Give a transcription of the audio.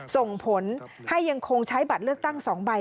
ส่งผลให้ยังคงใช้บัตรเลือกตั้ง๒ใบ